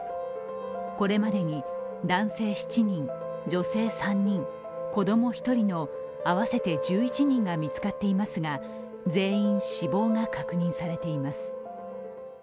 これまでに男性７人、女性３人子供１人の合わせて１１人が見つかっていますが、全員死亡が確認されています。